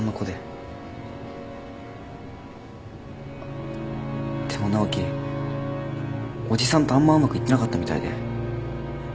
でも直樹おじさんとあんまうまくいってなかったみたいで。